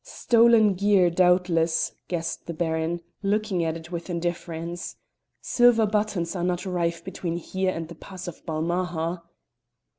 "Stolen gear, doubtless," guessed the Baron, looking at it with indifference. "Silver buttons are not rife between here and the pass of Balmaha."